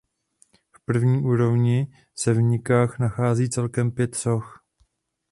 V první úrovni se v nikách nachází celkem pět soch.